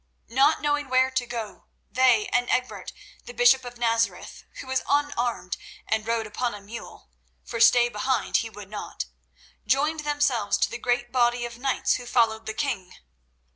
Not knowing where to go, they and Egbert, the bishop of Nazareth—who was unarmed and rode upon a mule, for stay behind he would not—joined themselves to the great body of knights who followed the king.